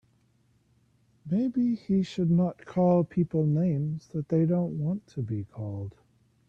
Maybe he should not call people names that they don't want to be called.